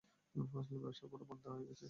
ব্যবসা পুরো মান্দা হয়ে গেছে।